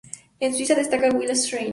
En Suiza destaca Will Steiger.